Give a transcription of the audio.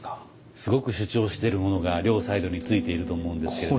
すごく主張しているものが両サイドに付いていると思うんですけれども。